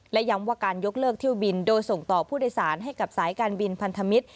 และย้ำว่าการยกเลิกเที่ยวบินโดยส่งต่อผู้โดยสารให้กับสายการบินพันธมิตร